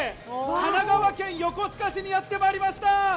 神奈川県横須賀市にやって参りました。